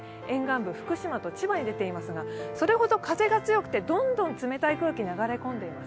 沿岸部、福島と千葉に出ていますがそれくらい風が強くてどんどん冷たい空気が流れ込んでいます。